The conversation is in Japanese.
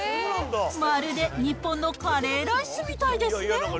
まるで日本のカレーライスみたいですね。